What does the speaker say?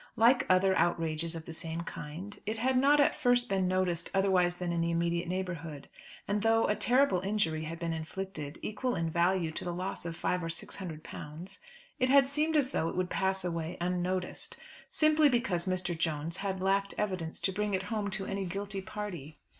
Like other outrages of the same kind, it had not at first been noticed otherwise than in the immediate neighbourhood; and though a terrible injury had been inflicted, equal in value to the loss of five or six hundred pounds, it had seemed as though it would pass away unnoticed, simply because Mr. Jones had lacked evidence to bring it home to any guilty party.